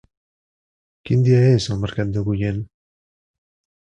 Quin dia és el mercat d'Agullent?